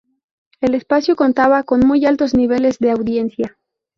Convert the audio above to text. El espacio contaba con muy altos niveles de audiencia.